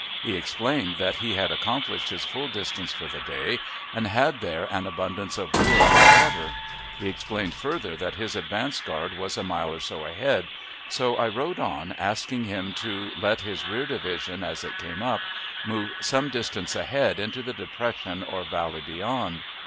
He explained that he had accomplished his full distance for the day, and had there an abundance of wood and water. He explained further that his advance guard was a mile or so ahead; so I rode on, asking him to let his rear division, as it came up, move some distance ahead into the depression or valley beyond.